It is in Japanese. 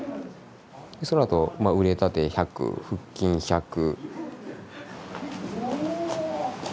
そのあとまあ腕立て１００腹筋１００。